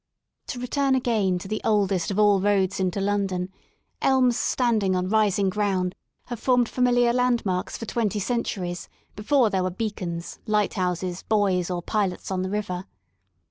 To return again to the oldest of ail roads into London, elms standing on rising ground have formed familiar landmarks for twenty centuries before there were beacons, lighthouses, buoys, . or pilots on the river.